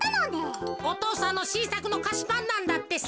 お父さんのしんさくのかしパンなんだってさ。